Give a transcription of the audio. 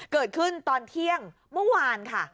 เกิดขึ้นตอนเที่ยงเมื่อวานค่ะ